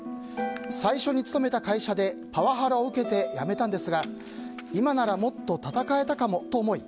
最初に勤めた会社でパワハラを受けて辞めたんですが今ならもっと闘えたかもと思い